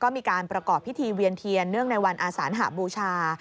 มีการประกอบพิธีเวียนเทียนเนื่องในวันอาสานหบูชา